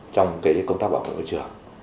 trong cái công tác bảo vệ môi trường